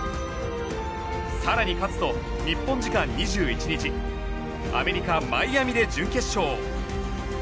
更に勝つと日本時間２１日アメリカマイアミで準決勝。